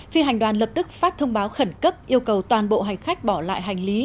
phi hành đoàn lập tức phát thông báo khẩn cấp yêu cầu toàn bộ hành khách bỏ lại hành lý